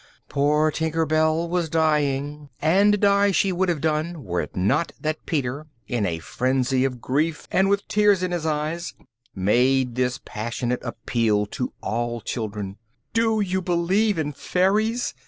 Poor Tinker Bell was dying, and die she would have done were it not that Peter, in a frenzy of grief and with tears in his eyes, made this passionate appeal to all children: "Do you believe in fairies?